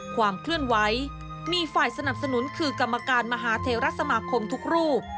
ความเคลื่อนไหวมีฝ่ายสนับสนุนคือกรรมการมหาเทวรัฐสมาคมทุกรูป